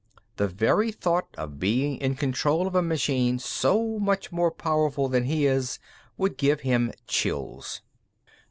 The very thought of being in control of a machine so much more powerful than he is would give him chills.